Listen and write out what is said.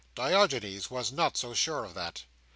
Diogenes was not so sure of that.